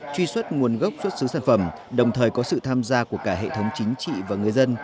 truy xuất nguồn gốc xuất xứ sản phẩm đồng thời có sự tham gia của cả hệ thống chính trị và người dân